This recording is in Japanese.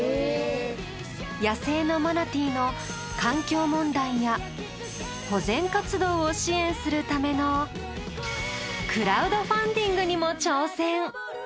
野生のマナティーの環境問題や保全活動を支援するためのクラウドファンディングにも挑戦。